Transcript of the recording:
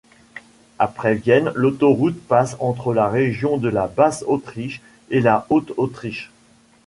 Après Vienne, l'autoroute passe entre la région de la Basse-Autriche et de la Haute-Autriche.